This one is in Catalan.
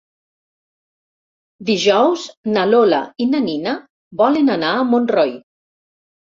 Dijous na Lola i na Nina volen anar a Montroi.